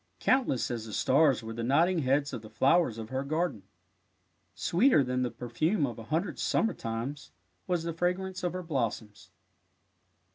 Countless as the stars were the nodding heads of the flowers of her garden. Sweeter than the perfume of a hundred sum mer times was the fragrance of her blossoms.